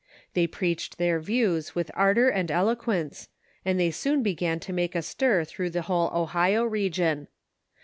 They preached their views with ardor and eloquence, and they soon began to make a stir through the whole Ohio region.